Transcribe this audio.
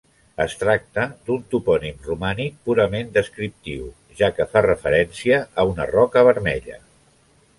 Es tracta d'un topònim romànic purament descriptiu, ja que fa referència a una roca vermella.